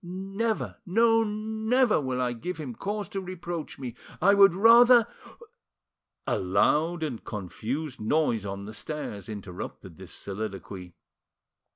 Never, no, never will I give him cause to reproach me! I would rather——" A loud and confused noise on the stairs interrupted this soliloquy.